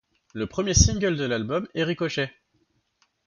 Le premier single de l'album est Ricochet!